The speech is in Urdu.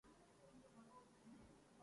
جو فکر کی سرعت میں بجلی سے زیادہ تیز